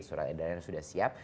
surat edaran sudah siap